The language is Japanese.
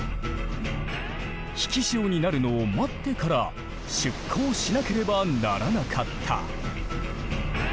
引き潮になるのを待ってから出航しなければならなかった。